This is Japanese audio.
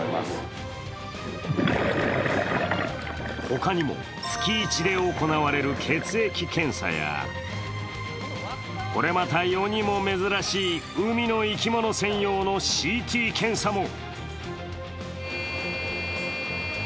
ほかにも、月イチで行われる血液検査やこれまた世にも珍しい海の生き物専用のＣＴ検査も。